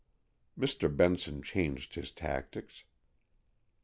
Mr. Benson changed his tactics.